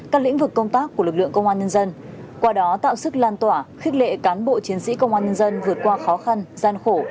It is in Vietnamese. các lĩnh vực công tác của lực lượng công an nhân dân qua đó tạo sức lan tỏa khích lệ cán bộ chiến sĩ công an nhân dân vượt qua khó khăn gian khổ